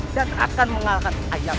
dan akan mengalahkan ayam